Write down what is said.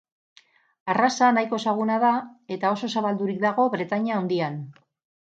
Arraza nahiko ezaguna da eta oso zabaldurik dago Bretainia Handian.